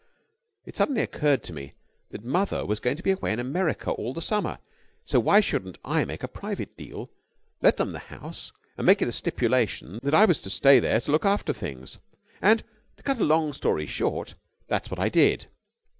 It suddenly occurred to me that mother was going to be away in America all the summer, so why shouldn't I make a private deal, let them the house, and make it a stipulation that I was to stay there to look after things? And, to cut a long story short, that's what I did."